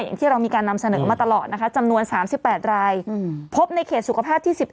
อย่างที่เรามีการนำเสนอมาตลอดนะคะจำนวน๓๘รายพบในเขตสุขภาพที่๑๑